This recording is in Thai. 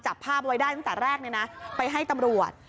จับภาพไว้ได้ตั้งแต่แรกไปให้ตำรวจ